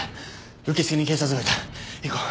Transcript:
受付に警察がいた行こう。